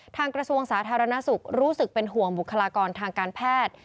กระทรวงสาธารณสุขรู้สึกเป็นห่วงบุคลากรทางการแพทย์